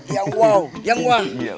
yang wow yang wah